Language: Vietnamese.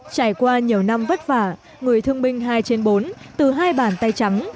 trải qua nhiều năm vất vả người thương binh hai trên bốn từ hai bàn tay trắng